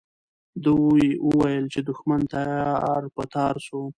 دوی وویل چې دښمن تار په تار سو.